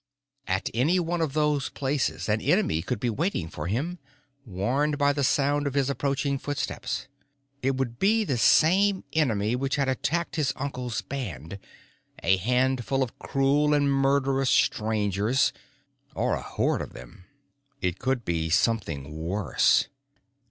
At any one of those places, an enemy could be waiting for him, warned by the sound of his approaching footsteps. It could be the same enemy which had attacked his uncle's band, a handful of cruel and murderous Strangers, or a horde of them. It could be something worse.